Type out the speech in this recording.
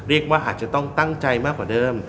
เรียกว่าอาจจะต้องตั้งใจมากกว่าเดิม